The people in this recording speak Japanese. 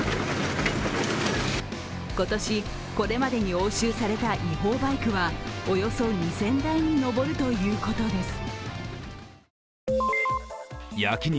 今年、これまでに押収された違法バイクはおよそ２０００台に上るということです。